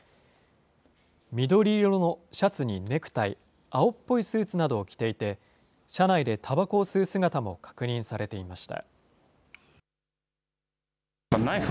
緑色のシャツにネクタイ、青っぽいスーツなどを着ていて、車内でたばこを吸う姿も確認されていました。